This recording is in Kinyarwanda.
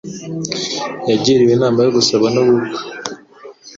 yagiriwe inama yo gusaba no gukwa